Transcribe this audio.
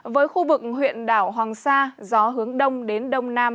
với khu vực huyện đảo hoàng sa gió hướng đông đến đông nam